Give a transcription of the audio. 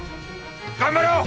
頑張ろう！